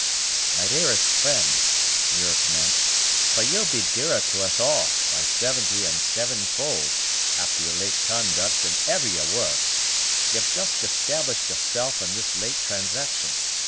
"My dearest friend," Muir commenced, "for ye'll be dearer to us all, by seventy and sevenfold, after your late conduct than ever ye were, ye've just established yourself in this late transaction.